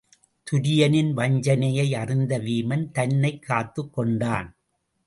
துரியனின் வஞ்சனையை அறிந்து வீமன் தன்னைக் காத்துக் கொண்டான்.